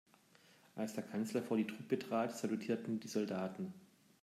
Als der Kanzler vor die Truppe trat, salutierten die Soldaten.